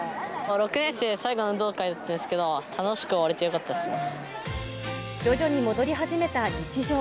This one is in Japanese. ６年生は最後の運動会だったんですけど、徐々に戻り始めた日常。